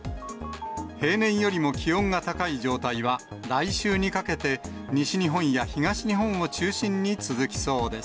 平年よりも気温が高い状態は、来週にかけて、西日本や東日本を中心に続きそうです。